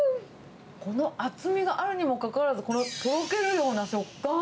この厚みがあるにもかかわらず、このとろけるような食感。